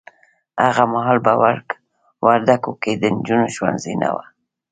هغه محال په وردګو کې د نجونو ښونځي نه وه